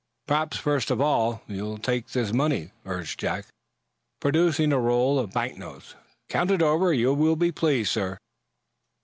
"Perhaps, first of all, you'll take this money," urged Jack, producing the roll of banknotes. "Count it over, will you please, sir?"